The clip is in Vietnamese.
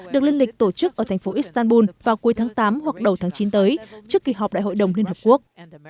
được liên lịch tổ chức ở thành phố istanbul vào cuối tháng tám hoặc đầu tháng chín tới trước kỳ họp đại hội đồng liên hợp quốc